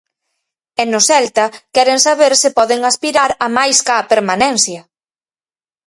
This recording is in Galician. E no Celta queren saber se poden aspirar a máis ca á permanencia.